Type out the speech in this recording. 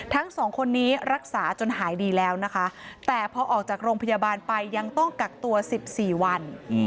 ทั้งสองคนนี้รักษาจนหายดีแล้วนะคะแต่พอออกจากโรงพยาบาลไปยังต้องกักตัว๑๔วัน